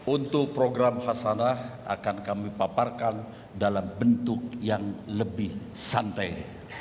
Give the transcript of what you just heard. untuk program hasanah akan kami paparkan dalam bentuk yang lebih santai